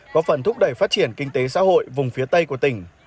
có phần thúc đẩy phát triển kinh tế xã hội vùng phía tây của tỉnh